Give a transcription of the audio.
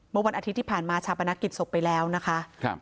เมื่อวันอาทิตย์ที่ผ่านมาชาปนกิจศพไปแล้วนะคะ